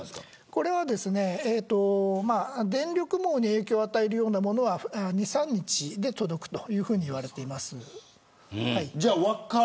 これは電力網に影響を与えるようなものは２、３日で届くといわれています。